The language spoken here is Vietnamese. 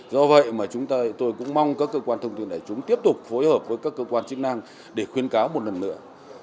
do vậy mà chúng tôi cũng mong các cơ quan thông tin đại chúng tiếp tục phối hợp với các cơ quan chức năng để khuyên cáo một lần nữa